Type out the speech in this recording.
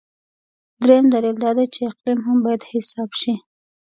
درېیم دلیل دا دی چې اقلیم هم باید حساب شي.